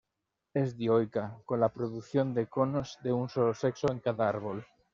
Es dioica, con la producción de conos de un solo sexo en cada árbol.